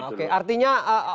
oke artinya orang